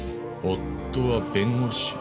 夫は弁護士。